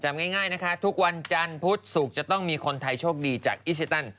ง่ายนะคะทุกวันจันทร์พุธศุกร์จะต้องมีคนไทยโชคดีจากอิชิตัน